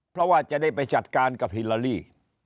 เพราะว่าจะได้ไปจัดการกับฮิลาลี